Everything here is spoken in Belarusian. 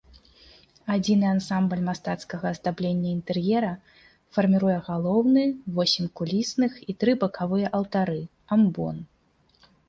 Адзіны ансамбль мастацкага аздаблення інтэр'ера фарміруе галоўны, восем кулісных і тры бакавыя алтары, амбон.